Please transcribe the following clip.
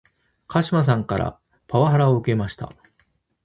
鹿島さんからパワハラを受けました